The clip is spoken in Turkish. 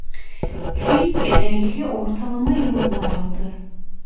Film genellikle ortalama yorumlar aldı.